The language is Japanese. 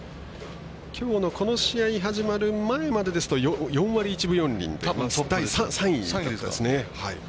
きょうのこの試合始まる前までですと４割１分４厘で第３位ですね。